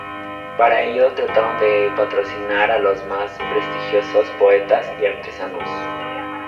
Para ello, trataron de patrocinar a los más prestigiosos poetas y artesanos.